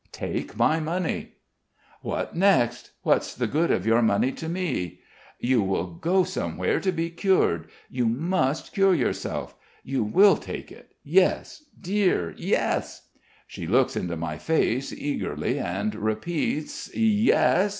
"Take my money." "What next? What's the good of your money to me?" "You will go somewhere to be cured. You must cure yourself. You will take it? Yes? Dear ... Yes?" She looks into my face eagerly and repeats: "Yes?